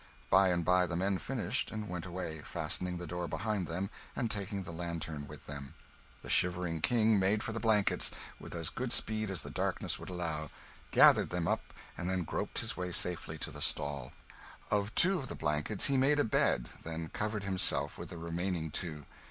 By and by the men finished and went away, fastening the door behind them and taking the lantern with them. The shivering King made for the blankets, with as good speed as the darkness would allow; gathered them up, and then groped his way safely to the stall. Of two of the blankets he made a bed, then covered himself with the remaining two.